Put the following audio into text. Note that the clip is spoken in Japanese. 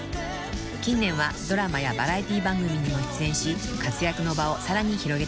［近年はドラマやバラエティー番組にも出演し活躍の場をさらに広げています］